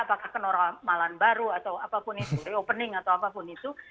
apakah kenormalan baru atau apapun itu reopening atau apapun itu